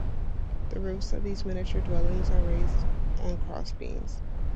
The roofs of these miniature dwellings are raised on crossbeams.